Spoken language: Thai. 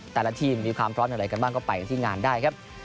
แต่ละทีมมีความพร้อมอะไรกันบ้างก็ไปกันที่งานได้ครับ